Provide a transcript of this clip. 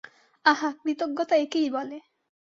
আহা, কৃতজ্ঞতা একেই বলে।